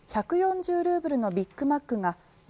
１４０ルーブルのビックマックが７０００